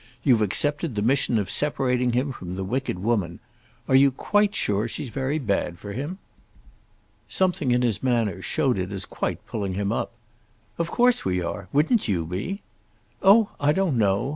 You've accepted the mission of separating him from the wicked woman. Are you quite sure she's very bad for him?" Something in his manner showed it as quite pulling him up. "Of course we are. Wouldn't you be?" "Oh I don't know.